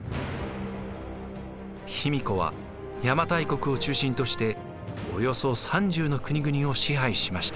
卑弥呼は邪馬台国を中心としておよそ３０の国々を支配しました。